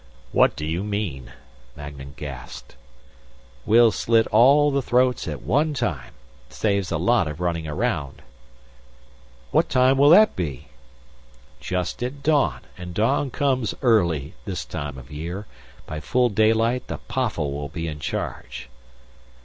"What do you mean?" Magnan gasped. "We'll slit all the throats at one time. Saves a lot of running around." "What time will that be?" "Just at dawn; and dawn comes early, this time of year. By full daylight the PAFFL will be in charge."